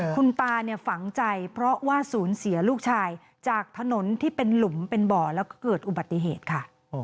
คุณตาเนี่ยฝังใจเพราะว่าศูนย์เสียลูกชายจากถนนที่เป็นหลุมเป็นบ่อแล้วก็เกิดอุบัติเหตุค่ะ